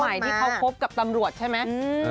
ใหม่ที่เขาคบกับตำรวจใช่ไหม